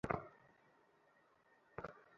তিনি প্রাথমিক ও মাইনর পরীক্ষা পাস করেন।